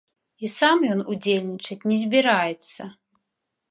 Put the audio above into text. І сам ён удзельнічаць не збіраецца.